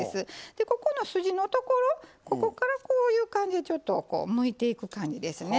でここの筋のところここからこういう感じでちょっとこうむいていく感じですね。